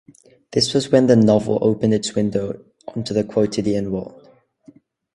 This was when the novel opened its window onto the quotidian world.